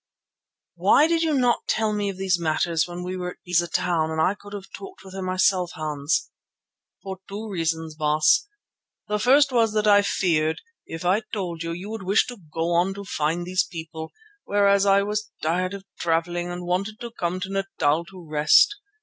"Why did you not tell me of these matters when we were at Beza Town and I could have talked with her myself, Hans?" "For two reasons, Baas. The first was that I feared, if I told you, you would wish to go on to find these people, whereas I was tired of travelling and wanted to come to Natal to rest.